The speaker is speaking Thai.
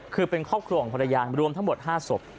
คือเป็นครอบครัวของภรรยารวมทั้งหมด๕ศพ